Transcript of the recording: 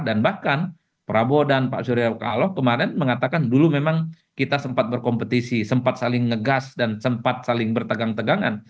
dan bahkan prabowo dan pak surya paloh kemarin mengatakan dulu memang kita sempat berkompetisi sempat saling ngegas dan sempat saling bertegang tegangan